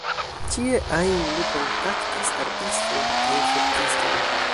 Ĉie ajn li kontaktis artistojn kaj verkistojn.